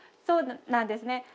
そうなんですね。